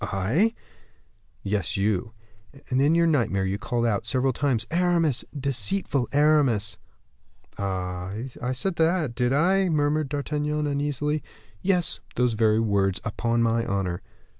"I?" "Yes, you; and in your nightmare you called out, several times, 'Aramis, deceitful Aramis!'" "Ah! I said that, did I?" murmured D'Artagnan, uneasily. "Yes, those very words, upon my honor."